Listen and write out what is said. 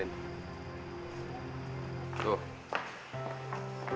kamu udah bawa aku antarin